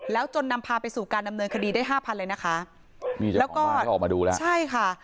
แล้วจนนำพาไปสู่การดำเนินคดีได้๕๐๐๐บาทเลยนะคะมีเจ้าของมาก็ออกมาดูแล้วใช่ค่ะ